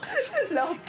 ラップ！